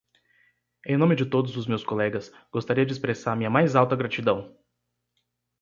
Em nome de todos os meus colegas, gostaria de expressar minha mais alta gratidão!